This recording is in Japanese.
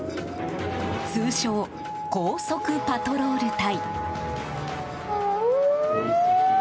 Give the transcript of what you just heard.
通称、高速パトロール隊。